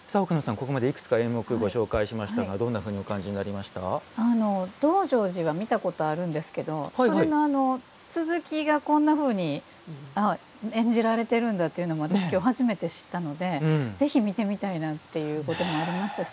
ここまでいくつか演目をご紹介しましたがどんなふうに「道成寺」は見たことがあるんですけどそれの続きがこんなふうに演じられているんだというのを私、きょう初めて知ったのでぜひ見てみたいなということもありましたし